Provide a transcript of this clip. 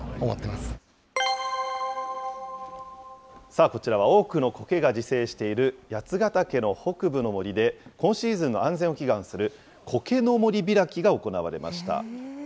さあ、こちらは多くのコケが自生している八ヶ岳の北部の森で、今シーズンの安全を祈願する苔の森開きが行われました。